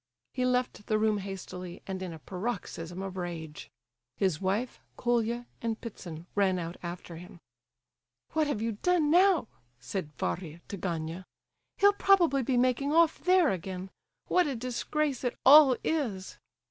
He left the room hastily and in a paroxysm of rage. His wife, Colia, and Ptitsin ran out after him. "What have you done now?" said Varia to Gania. "He'll probably be making off there again! What a disgrace it all is!"